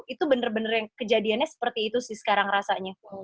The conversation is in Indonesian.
itu bener bener yang kejadiannya seperti itu sih sekarang rasanya